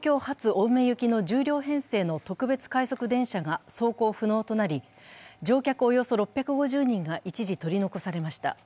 青梅行きの１０両編成の特別快速電車が走行不能となり、乗客およそ６５０人が一時取り残されました。